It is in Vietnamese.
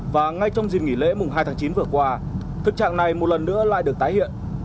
và ngay trong dịp nghỉ lễ mùng hai tháng chín vừa qua thực trạng này một lần nữa lại được tái hiện